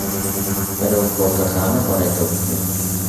بەرەو فڕۆکەخانە بەڕێکەوتبوو.